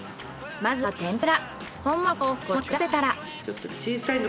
まずは天ぷら。